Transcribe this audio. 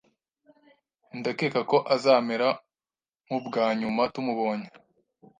Ndakeka ko azamera nkubwa nyuma tumubonye.